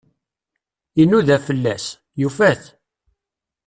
Inuda fell-as, yufa-t.